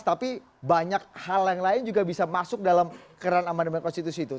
tapi banyak hal yang lain juga bisa masuk dalam keran amandemen konstitusi itu